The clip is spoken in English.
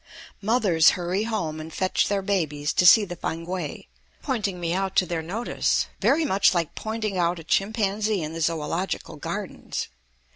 Mothers hurry home and fetch their babies to see the Fankwae, pointing me out to their notice, very much like pointing out a chimpanzee in the Zoological gardens.